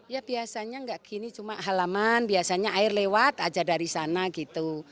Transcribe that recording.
ya biasanya nggak gini cuma halaman biasanya air lewat aja dari sana gitu